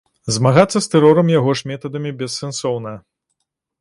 Змагацца з тэрорам яго ж метадамі бессэнсоўна.